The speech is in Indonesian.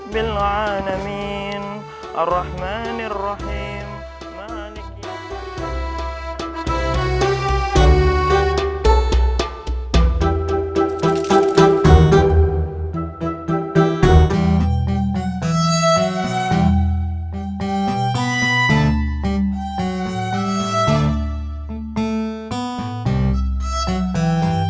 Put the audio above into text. sekarang mendingan kalian siap siap